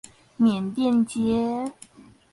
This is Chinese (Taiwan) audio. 緬甸街